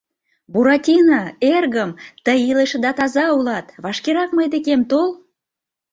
— Буратино, эргым, тый илыше да таза улат, — вашкерак мый декем тол!